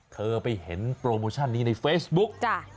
เธอไปเห็นโปรโมชั่นนี้ในเฟซบุ๊ก